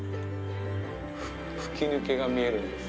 吹き抜けが見えるんです。